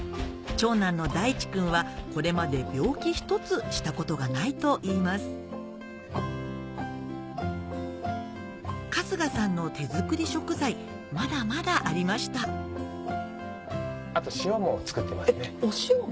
長男の大地君はこれまで病気一つしたことがないといいます春日さんの手作り食材まだまだありましたお塩も？